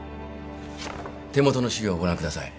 手元の資料をご覧ください。